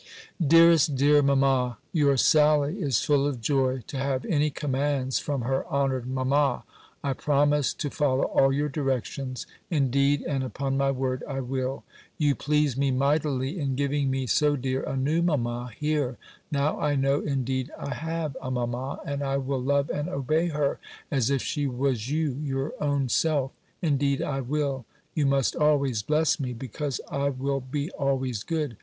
"DEAREST DEAR MAMMA, "Your Sally is full of joy, to have any commands from her honoured mamma. I promise to follow all your directions. Indeed, and upon my word, I will. You please me mightily in giving me so dear a new mamma here. Now I know indeed I have a mamma, and I will love and obey her, as if she was you your own self. Indeed I will. You must always bless me, because I will be always good.